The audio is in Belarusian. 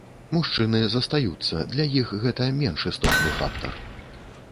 Мужчыны застаюцца, для іх гэта менш істотны фактар.